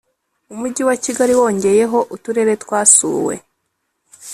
umujyi wa kigali wongeyeho uturere twasuwe